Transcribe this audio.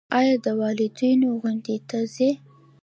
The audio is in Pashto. ایا د والدینو غونډې ته ځئ؟